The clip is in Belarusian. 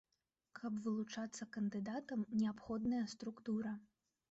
Каб вылучацца кандыдатам, неабходная структура.